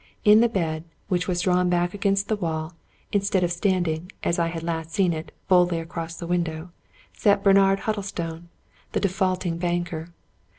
In the bed, which was drawn back against the wall, instead of standing, as I had last seen it, boldly across the window, sat Bernard Huddlestone, the defaulting banker.